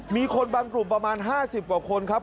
มีคนบางกลุ่มประมาณ๕๐กว่าคนครับ